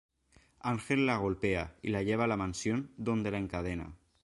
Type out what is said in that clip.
Ángel la golpea y la lleva a la Mansión, donde la encadena.